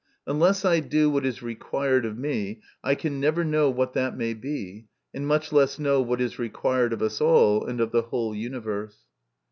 Unless I do what is required of me, I can never know what that may be, and much less know what is required of us all and of the whole universe.